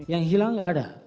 yang hilang gak ada